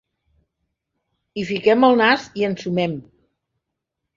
Hi fiquem el nas i ensumem.